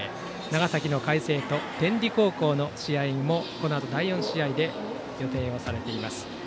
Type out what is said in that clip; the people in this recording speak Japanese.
長崎の海星と天理高校の試合もこのあと第４試合で予定されています。